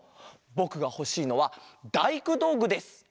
ぼくがほしいのはだいくどうぐです。